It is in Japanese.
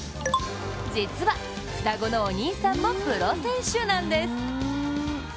実は、双子のお兄さんもプロ選手なんです。